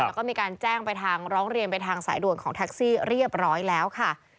แล้วก็มีการแจ้งไปทางร้องเรียนไปทางสายด่วนของแท็กซี่เรียบร้อยแล้วค่ะ